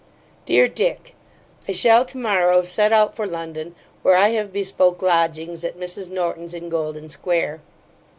DEAR DICK, I shall to morrow set out for London, where I have bespoke lodgings, at Mrs Norton's in Golden square.